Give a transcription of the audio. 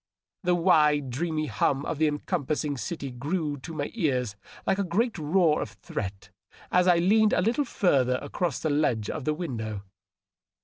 The wide, dreamy hum of the encompassing ciiy grew to my ears like a great roar of threat as I leaned a little further across the ledge of the window.